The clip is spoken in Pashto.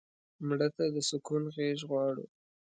مړه ته د سکون غېږ غواړو